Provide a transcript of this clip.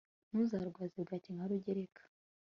ntuzarwaze bwaki nka rugereka